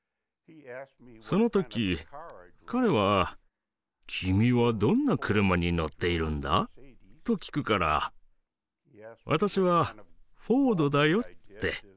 その時彼は「君はどんな車に乗っているんだ？」と聞くから私は「フォードだよ」って。